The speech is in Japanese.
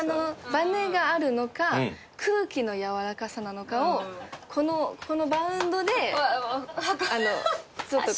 バネがあるのか空気のやわらかさなのかをこのバウンドでちょっと感じるという。